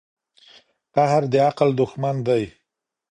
قهر د عقل دښمن دی.